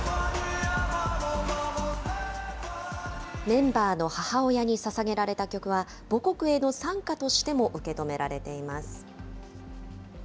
メンバーの母親にささげられた曲は、母国への賛歌としても受け止められています。